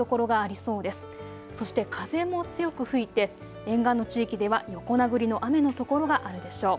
そして風も強く吹いて沿岸の地域では横殴りの雨の所があるでしょう。